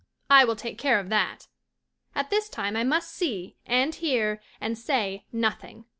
"I will take care of that. At this time I must see, and hear, and say nothing.